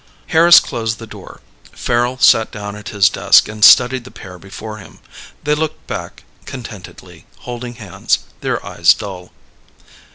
Harris closed the door. Farrel sat down at his desk and studied the pair before him. They looked back contentedly, holding hands, their eyes dull.